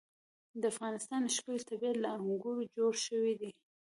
د افغانستان ښکلی طبیعت له انګورو جوړ شوی دی.